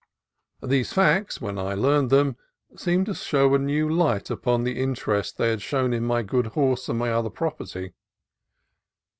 These facts, when I learned them, seemed to throw a new light upon the inter est they had shown in my good horse and my other property.